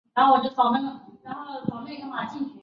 周旧邦木坊的历史年代为明代。